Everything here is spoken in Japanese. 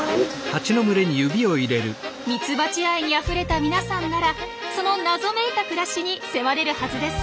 ミツバチ愛にあふれた皆さんならその謎めいた暮らしに迫れるはずです。